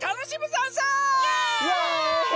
イエイ！